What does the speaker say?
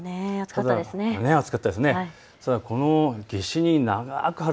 暑かったですね。